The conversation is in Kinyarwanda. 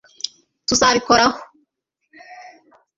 tuzabikoraho